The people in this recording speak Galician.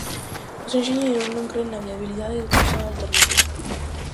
Os enxeñeiros non cren na viabilidade do trazado alternativo.